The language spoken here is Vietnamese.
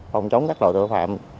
phòng chống các loại tội phạm